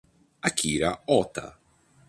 Akira Ota